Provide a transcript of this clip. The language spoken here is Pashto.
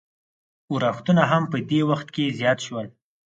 اورښتونه هم په دې وخت کې زیات شول.